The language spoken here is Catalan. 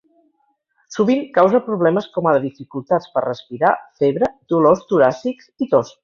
Sovint causa problemes com ara dificultats per respirar, febre, dolors toràcics i tos.